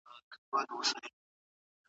چې مسافر اشنا دې وكړي ديدنونه